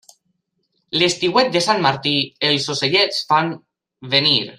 L'estiuet de Sant Martí els ocellets fa venir.